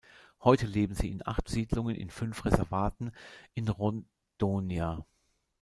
Heute leben sie in acht Siedlungen in fünf Reservaten in Rondônia.